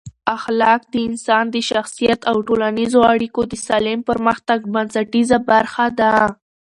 اخلاق د انسان د شخصیت او ټولنیزو اړیکو د سالم پرمختګ بنسټیزه برخه ده.